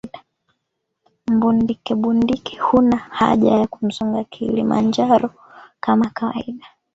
Mbundikebundike huna haja ya kumsonga kilimanjaro kama kawaida